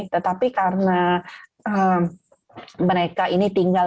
tetapi karena mereka ini tinggal